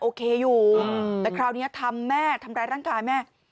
โอเคอยู่แต่คราวนี้ทำแม่ทำร้ายร่างกายแม่